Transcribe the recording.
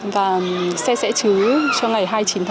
và xe xẽ chứ cho ngày hai chín hai nghìn một mươi bốn